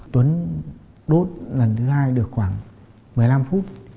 tuấn đốt lần thứ hai được khoảng một mươi năm phút